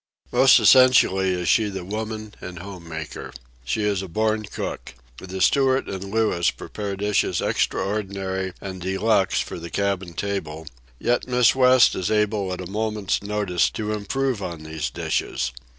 Most essentially is she the woman and home maker. She is a born cook. The steward and Louis prepare dishes extraordinary and de luxe for the cabin table; yet Miss West is able at a moment's notice to improve on these dishes.